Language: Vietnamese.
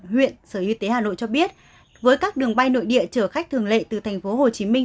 huyện sở y tế hà nội cho biết với các đường bay nội địa chở khách thường lệ từ thành phố hồ chí minh